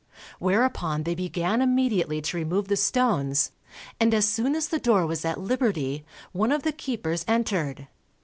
Whereupon they began immediately to remove the stones, and as soon as the door was at liberty, one of the keepers entered.